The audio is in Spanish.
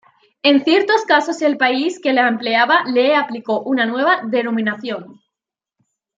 En ciertos casos, el país que la empleaba le aplicó una nueva denominación.